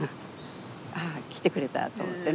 あ来てくれたと思ってね。